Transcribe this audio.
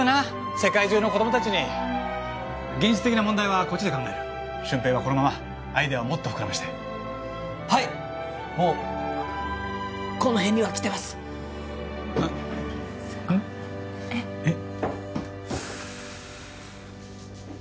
世界中の子供達に現実的な問題はこっちで考える俊平はこのままアイデアをもっと膨らませてはいもうこの辺にはきてますあっうん？えっ？えっ？